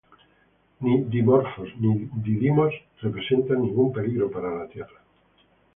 Ni Dimorphos ni Didymos representan ningún peligro para la Tierra.